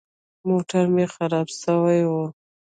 موټر مې خراب سوى و.